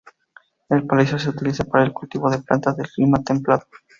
El palacio se utiliza para el cultivo de plantas de clima templado.